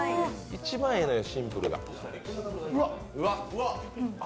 一番ええのよ、シンプルが。